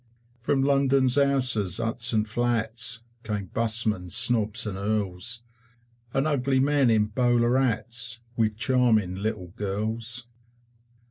From London's houses, huts and flats, Came busmen, snobs, and Earls, And ugly men in bowler hats With charming little girls.